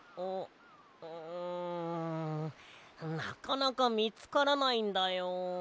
んなかなかみつからないんだよ。